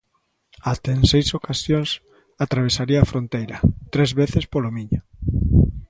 Até en seis ocasións atravesaría a fronteira, tres veces polo Miño.